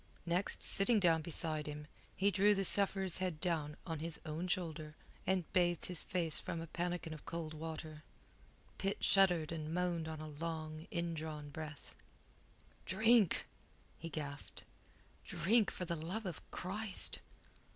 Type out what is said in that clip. Next, sitting down beside him, he drew the sufferer's head down on his own shoulder, and bathed his face from a pannikin of cold water. Pitt shuddered and moaned on a long, indrawn breath. "Drink!" he gasped. "Drink, for the love of Christ!"